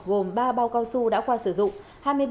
gồm ba bao cao su đã qua sử dụng